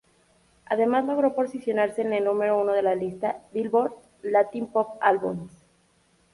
Además logró posicionarse en el número uno de la lista "Billboard" Latin Pop Albums.